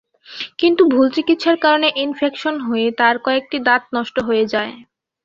কিন্তু ভুল চিকিৎসার কারণে ইনফেকশন হয়ে তাঁর কয়েকটি দাঁত নষ্ট হয়ে যায়।